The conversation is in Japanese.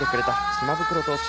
島袋投手